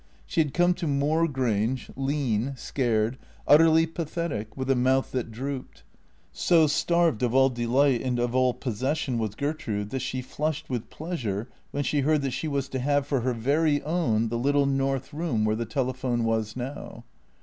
She had come to Moor Grange lean, scared, utterly pathetic, with a mouth that drooped. So starved of all delight and of all possession was Gertrude that she flushed with pleasure when she heard that she was to have for her very own the little north room where the telephone was now.